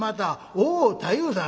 『おお太夫さん